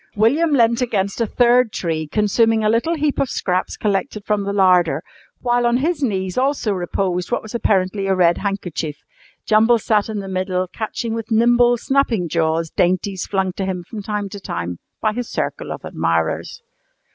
William leant against a third tree consuming a little heap of scraps collected from the larder, while on his knees also reposed what was apparently a red handkerchief. Jumble sat in the middle catching with nimble, snapping jaws dainties flung to him from time to time by his circle of admirers.